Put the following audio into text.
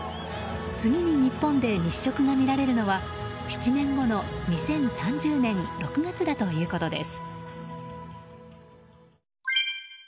次に日本で日食が見られるのは７年後の２０３０年６月だということです。